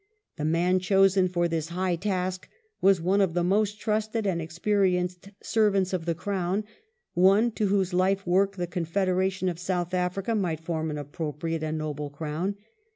^ The man chosen for this high task was one of the most trusted and experienced servants of the Ci'own, one to whose life work the confederation of South Africa might form an appropriate and noble crown.